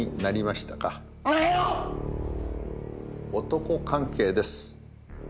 男関係です。